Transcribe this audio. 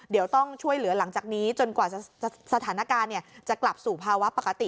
เดี๋ยวต้องช่วยเหลือหลังจากนี้จนกว่าสถานการณ์จะกลับสู่ภาวะปกติ